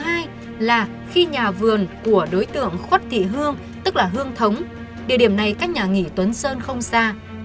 thứ hai là khi nhà vườn của đối tượng khuất thị hương tức là hương thống địa điểm này cách nhà nghỉ tuấn sơn không xa